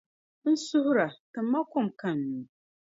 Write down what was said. N suhiri a, tim ma kom ka n nyu.